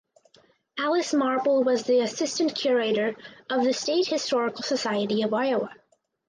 Alice Marple was the assistant curator of the State Historical Society of Iowa.